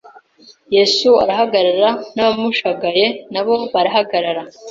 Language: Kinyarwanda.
Yesu arahagarara, n'abamushagaye na bo barahagarara